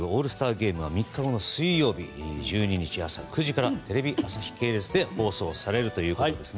ゲームは３日後の水曜日１２日、朝９時からテレビ朝日系列で放送されるということです。